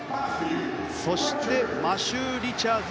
そして、マシュー・リチャーズ。